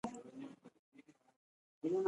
موږ یې پر احساساتي چلندونو معتاد کړي یو.